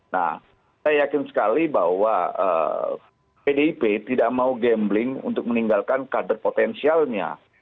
nah saya yakin sekali bahwa pdip tidak mau gambling untuk meninggalkan kader potensialnya